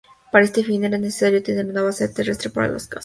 Para este fin, era necesario tener una base terrestre para los cazas.